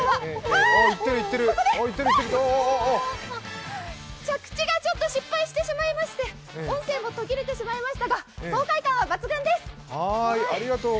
あーっ、着地がちょっと失敗してしまいまして、音声も途切れてしまいましたが、爽快感は抜群です。